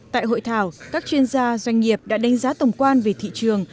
tại hội thảo các chuyên gia doanh nghiệp đã đánh giá tổng quan về thị trường